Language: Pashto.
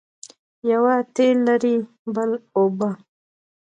یوه تېل لري بل اوبه.